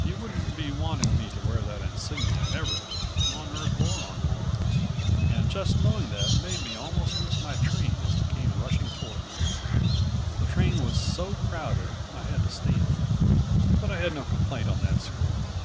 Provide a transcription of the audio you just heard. He wouldn't be wanting me to wear that insignia ever on Earth or on Mars and just knowing that made me almost miss my train as it came rushing toward me. The train was so crowded I had to stand, but I had no complaint on that score.